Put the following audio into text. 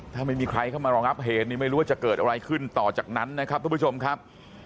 ถ้าไม่มีใครเข้ามารองับเหตุนี่ไม่รู้ว่าจะเกิดอะไรขึ้นต่อจากนั้นนะครับทุกผู้ชมครับ